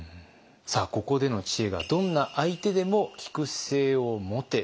さあここでの知恵が「どんな相手でも聞く姿勢を持て」。